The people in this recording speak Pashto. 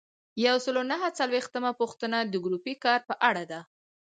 یو سل او نهه څلویښتمه پوښتنه د ګروپي کار په اړه ده.